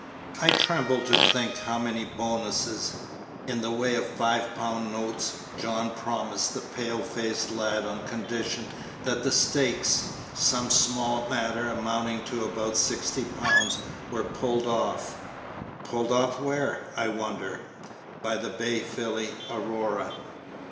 I tremble to think how many bonuses, in the way of five pound notes, John promised the pale faced lad on condition that the stakes (some small matter amounting to about £60) were pulled off pulled off where, I wonder by the bay filly Aurora.